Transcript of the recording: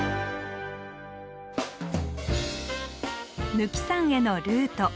貫山へのルート。